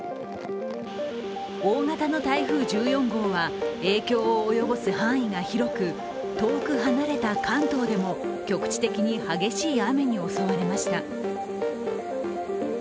大型の台風１４号は影響を及ぼす範囲が広く遠く離れた関東でも局地的に激しい雨に襲われました。